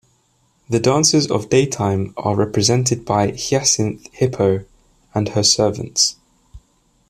The dancers of the daytime are represented by Hyacinth Hippo and her servants.